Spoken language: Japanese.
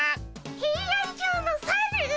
ヘイアンチョウのサル？